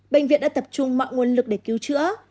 bệnh viện đã tập trung mọi nguồn lực để cứu chữa